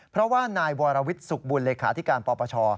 เพราะว่านายวรวิทย์สุขบุญเลขาธิการปปช